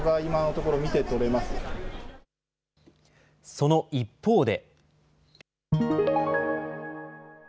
その一方で。